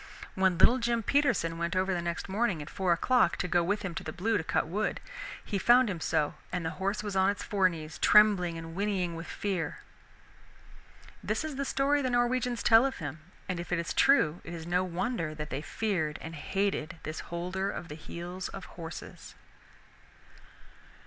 When little Jim Peterson went over the next morning at four o'clock to go with him to the Blue to cut wood, he found him so, and the horse was on its fore knees, trembling and whinnying with fear. This is the story the Norwegians tell of him, and if it is true it is no wonder that they feared and hated this Holder of the Heels of Horses.